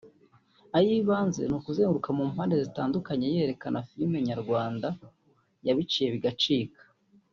iy’ibanze ni ukuzenguruka mu mpande zitandukanye yerekana Film Kinyarwanda yabiciye bigacika